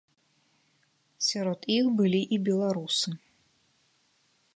Сярод іх былі і беларусы.